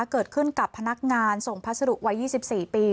เกิดขึ้นกับพนักงานส่งพัสดุวัย๒๔ปี